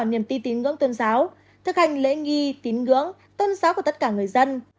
niềm tin tín ngưỡng tôn giáo thực hành lễ nghi tín ngưỡng tôn giáo của tất cả người dân